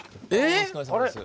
お疲れさまです。